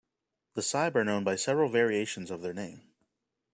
The Sibe are known by several variations of their name.